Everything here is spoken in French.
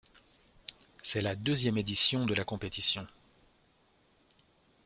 C'est la deuxième édition de la compétition.